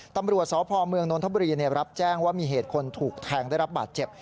ตำรวจสพเมืองนนทบุรีรับแจ้งว่ามีเหตุคนถูกแทงได้รับบาดเจ็บ